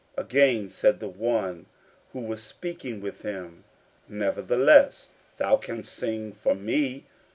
Again said the one who was speaking with him: "Nevertheless, thou canst sing for me."